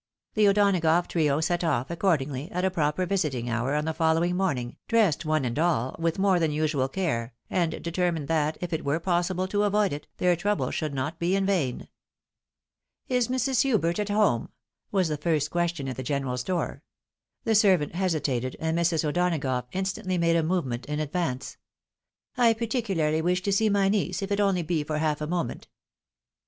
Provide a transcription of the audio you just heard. The O'Donagough trio set off, accordingly, at a proper visiting hour on the following morning, dressed, one and all, with more than usual care, and determined that, if it were possible to avoid it, their trouble should not be in vain. " Is Mrs. Hubert at home?" was the first question at the general's door. The servant hesitated, and Mrs. O'Donagough instantly made a movement in advance. L 178 THE WIDOW MARRIED. " I particularly wish to see my niece, if it be only for half a moment," said she.